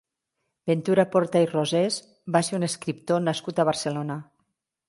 Ventura Porta i Rosés va ser un escriptor nascut a Barcelona.